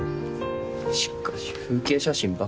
しかし風景写真ばっか。